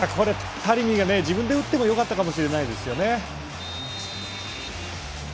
タレミが自分で打ってもよかったかもしれないですね。